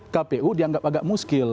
kpu dianggap agak muskil